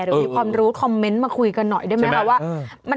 หรือมีความรู้คอมเมนต์มาคุยกันหน่อยได้ไหมคะว่า